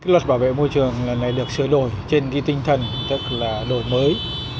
luật bảo vệ môi trường này được sửa đổi trên cái tinh thần tức là đổi mới